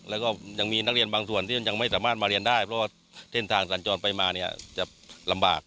แล้วก็ยังมีนักเรียนบางส่วนที่ยังไม่สามารถมาเรียนได้เพราะว่าเส้นทางสัญจรไปมาเนี่ยจะลำบาก